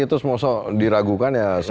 itu semuanya diragukan